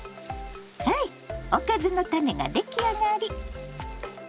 ハイおかずのタネが出来上がり。